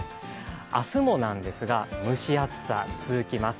明日もなんですが蒸し暑さ続きます。